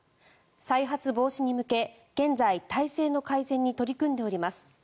再発防止に向け現在、体制の改善に取り組んでおります